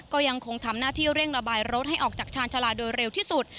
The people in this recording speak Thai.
ก็ยังคงทำหน้าที่เร่งระบายรถให้ออกจากชาญชาลาโดยเร็วที่สุด